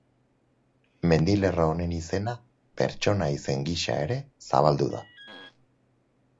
Mendilerro honen izena pertsona-izen gisa ere zabaldu da.